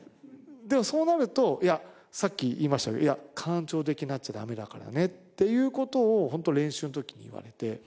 でもそうなるとさっき言いましたけど「感情的になっちゃダメだからね」っていう事をホント練習の時に言われて。